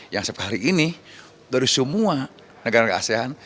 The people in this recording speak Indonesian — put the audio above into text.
yang setiap hari ini dari semua negara negara asean